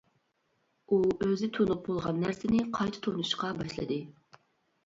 ئۇ ئۆزى تونۇپ بولغان نەرسىنى قايتا تونۇشقا باشلىدى.